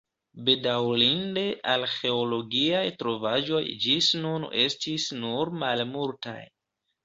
Bedaŭrinde arĥeologiaj trovaĵoj ĝis nun estis nur malmultaj.